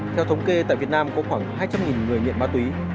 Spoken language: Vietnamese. theo thống kê tại việt nam có khoảng hai trăm linh người nghiện ma túy